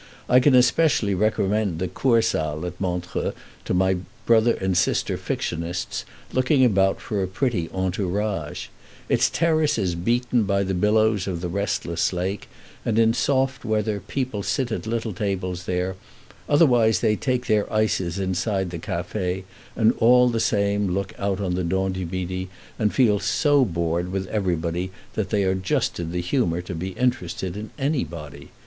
I can especially recommend the Kursaal at Montreux to my brother and sister fictionists looking about for a pretty entourage. Its terrace is beaten by the billows of the restless lake, and in soft weather people sit at little tables there; otherwise they take their ices inside the café, and all the same look out on the Dent du Midi, and feel so bored with everybody that they are just in the humor to be interested in anybody.